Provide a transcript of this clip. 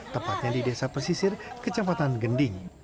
tepatnya di desa pesisir kecamatan gending